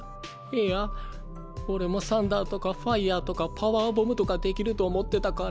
いや俺もサンダーとかファイヤーとかパワーボムとかできると思ってたから。